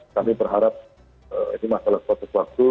kami berharap ini masalah suatu waktu